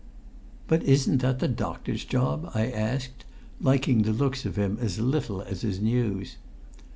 "But isn't that the doctor's job?" I asked, liking the looks of him as little as his news.